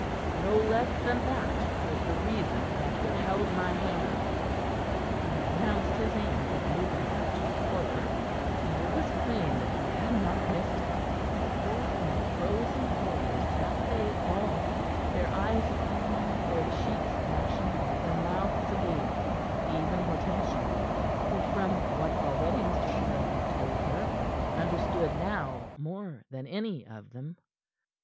No less than that was the reason that withheld my hand." He had announced his aim of moving them to horror; and it was plain that he had not missed it, for in frozen horror sat they all, their eyes upon him, their cheeks ashen, their mouths agape even Hortensia, who from what already Mr. Caryll had told her, understood now more than any of them.